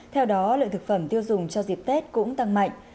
theo đó lượng thực phẩm tiêu dùng cho dịp tết cũng tăng mạnh